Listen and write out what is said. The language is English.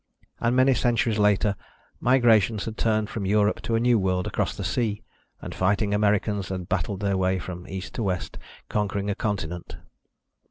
And many centuries later, migration had turned from Europe to a new world across the sea, and fighting Americans had battled their way from east to west, conquering a continent.